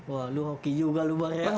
wah lu hoki juga lu bareng